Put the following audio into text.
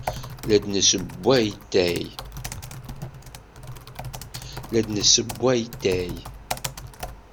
La d-nessewway atay.